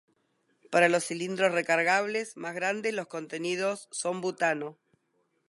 Para los cilindros recargables más grandes los contenidos son butano.